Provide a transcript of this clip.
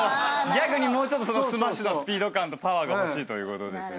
ギャグにもうちょっとスマッシュのスピード感とパワーが欲しいという。